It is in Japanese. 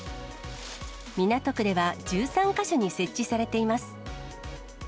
港区では１３か所に設置されています。